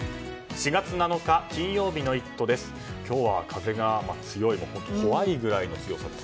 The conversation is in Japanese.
４月７日、金曜日の「イット！」です。